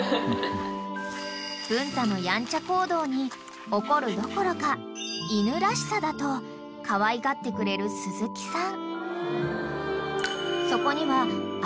［文太のヤンチャ行動に怒るどころか犬らしさだとかわいがってくれる鈴木さん］